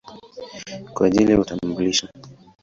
kwa ajili ya utambulisho.